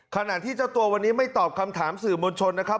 ขณะที่เจ้าตัววันนี้ไม่ตอบคำถามสื่อมวลชนนะครับ